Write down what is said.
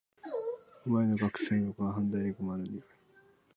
旨いのかくさいのか判別に困る匂い